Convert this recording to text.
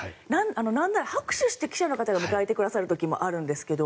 なんなら拍手して記者の方が迎えてくださることもあるんですが。